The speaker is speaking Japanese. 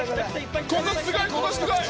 ここすごいここすごい！